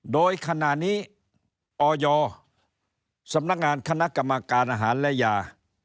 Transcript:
โดยขณะนี้ออยสำนักงานคณะกรรมการอาหารและยา